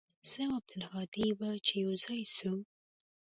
زه او عبدالهادي به چې يوازې سو.